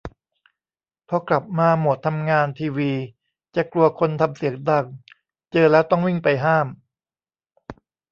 พอกลับมาโหมดทำงานทีวีจะกลัวคนทำเสียงดัง เจอแล้วต้องวิ่งไปห้าม